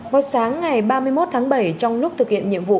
vào sáng ngày ba mươi một tháng bảy trong lúc thực hiện nhiệm vụ